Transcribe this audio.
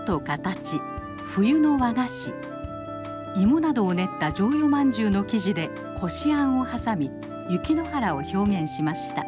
芋などを練った薯蕷饅頭の生地でこしあんを挟み雪の原を表現しました。